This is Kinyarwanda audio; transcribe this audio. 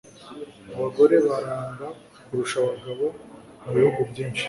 Abagore baramba kurusha abagabo mu bihugu byinshi